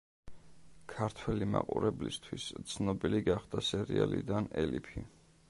ქართველი მაყურებლისთვის ცნობილი გახდა სერიალიდან „ელიფი“.